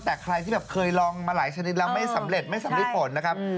แต่ใครที่แบบเคยลองมาหลายชนิดแล้วไม่สำเร็จไม่สำริดผลนะครับ